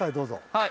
はい。